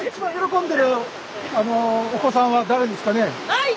はい！